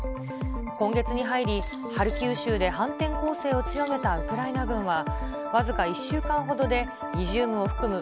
今月に入り、ハルキウ州で反転攻勢を強めたウクライナ軍は、僅か１週間ほどでイジュームを含む